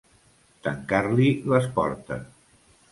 Tancar-li les portes.